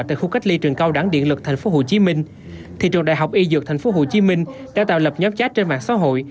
tại khu cách ly trường cao đẳng điện lực thành phố hồ chí minh thì trường đại học y dược thành phố hồ chí minh đã tạo lập nhóm chat trên mạng xã hội